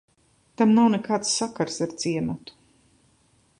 Tam nav nekāds sakars ar ciematu.